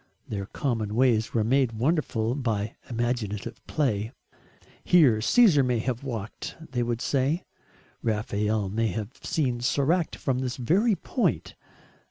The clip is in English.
Their common ways were made wonderful by imaginative play. "Here Caesar may have walked," they would say. "Raphael may have seen Soracte from this very point."